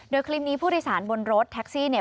โดยคลิปนี้ผู้โดยสารบนรถแท็กซี่เนี่ย